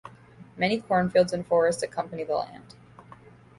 Many cornfields and forests accompany the land.